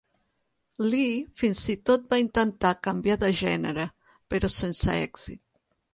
Lee fins i tot va intentar canviar de gènere, però sense èxit.